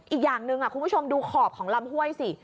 อีกอย่างหนึ่งคุณผู้ชมดูขอบของลำห้วยสิ